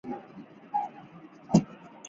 刘熙在前赵灭亡后被杀。